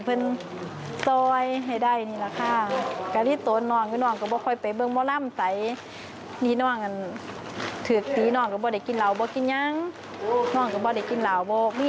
ของที่มัวมี่ดีกว่ายังไม่มีนั่งและก้าวมี่ออกมาแล้ว